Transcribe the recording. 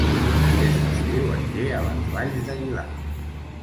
Aquest estiu aniré a Les Valls d'Aguilar